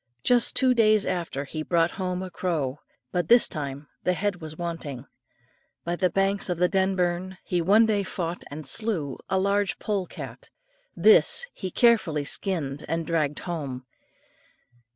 Just two days after, he brought home a crow, but this time the head was wanting. By the banks of the Denburn he one day fought and slew a large pole cat; this he carefully skinned, and dragged home.